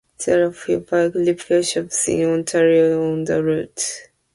There are few bike repair shops in Ontario on the route.